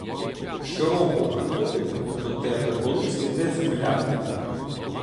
Щороку приходитиму до тебе, коли цвіте земля.